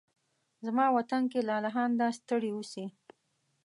زما وطن کې لالهانده ستړي اوسې